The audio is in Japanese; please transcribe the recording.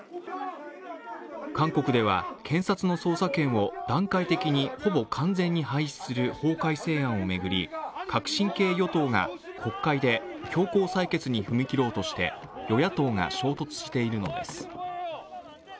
韓国では検察の捜査権を段階的にほぼ完全に廃止する法改正案を巡り、革新系与党が国会で強行採決に踏み切ろうとして与野党が衝突しているのです。